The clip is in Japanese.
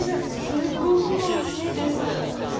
すっごくおいしいです。